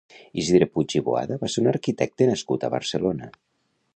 Isidre Puig i Boada va ser un arquitecte nascut a Barcelona.